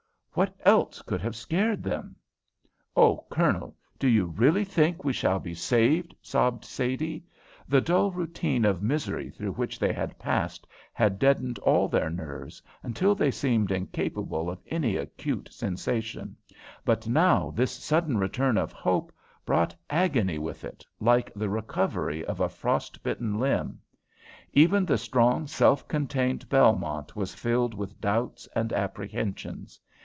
"What else could have scared them?" "O Colonel, do you really think we shall be saved?" sobbed Sadie. The dull routine of misery through which they had passed had deadened all their nerves until they seemed incapable of any acute sensation, but now this sudden return of hope brought agony with it like the recovery of a frostbitten limb. Even the strong, self contained Belmont was filled with doubts and apprehensions.